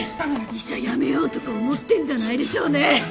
医者辞めようとか思ってんじゃないでしょうね！？